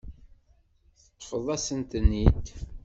Teṭṭfeḍ-asent-ten-id.